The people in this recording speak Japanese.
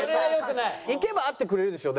行けば会ってくれるでしょ？